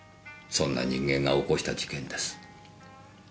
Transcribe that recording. そんな人間が起こした事件です。